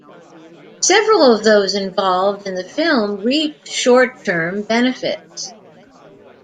Several of those involved in the film reaped short-term benefits.